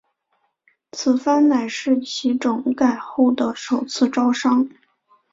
此番乃是其整改后的首次招商。